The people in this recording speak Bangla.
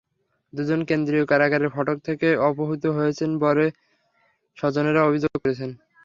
দুজন কেন্দ্রীয় কারাগারের ফটক থেকে অপহূত হয়েছেন বরে স্বজনেরা অভিযোগ করেছেন।